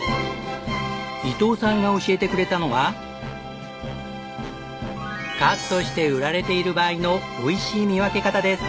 伊藤さんが教えてくれたのはカットして売られている場合のおいしい見分け方です。